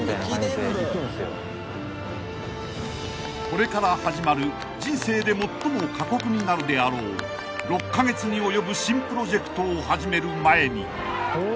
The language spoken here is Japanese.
［これから始まる人生で最も過酷になるであろう６カ月に及ぶ新プロジェクトを始める前に］